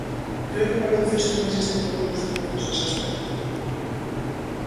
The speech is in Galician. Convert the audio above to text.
Cre que o baloncesto é máis estrito que outros deportes nese aspecto?